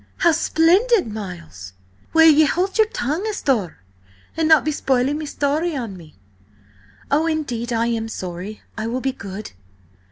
How splendid, Miles!" "Will ye hold your tongue, asthore, and not be spoiling me story on me?" "Oh, indeed I am sorry! I will be good!"